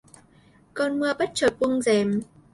Cơn mưa bất chợt buông rèm